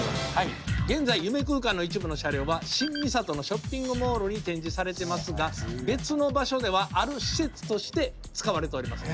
現在夢空間の一部の車両は新三郷のショッピングモールに展示されてますが別の場所ではある施設として使われております。